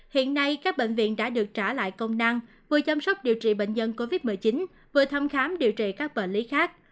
hiện nay các bệnh viện đã được trả lại công năng vừa chăm sóc điều trị bệnh nhân covid một mươi chín vừa thăm khám điều trị các bệnh lý khác